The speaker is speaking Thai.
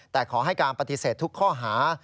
แต่ขอให้การปฏิเสธทุกข้อหา